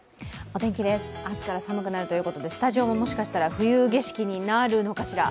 お天気です、明日から寒くなるということで、スタジオももしかしたら冬景色になるのかしら？